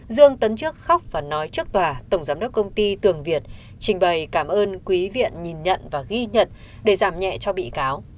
dương tấn trước khóc và nói trước tòa tổng giám đốc công ty tường việt trình bày cảm ơn quý vị nhìn nhận và ghi nhận để giảm nhẹ cho bị cáo